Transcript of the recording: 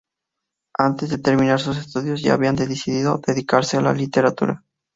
Antes de terminar sus estudios ya había decidido dedicarse a la literatura.